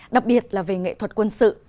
đặc biệt là về nghệ thuật quân sự